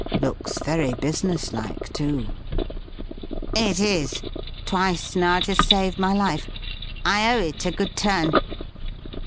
Looks very business like, too." "It is. Twice now it has saved my life. I owe it a good turn....